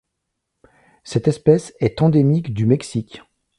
Cette espèce est endémique du Mexique.